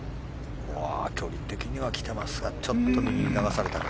距離的には来ていますがちょっと右に流されたか。